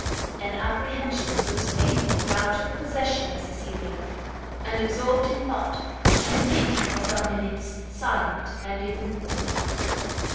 An apprehension the most painful now took possession of Cecilia, and absorbed in thought, she continued for some minutes silent and immoveable.